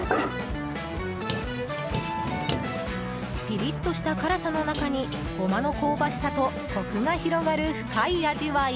ピリッとした辛さの中にゴマの香ばしさとコクが広がる深い味わい。